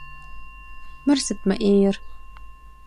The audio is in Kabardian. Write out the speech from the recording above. Мыр сыт мы Ӏейр?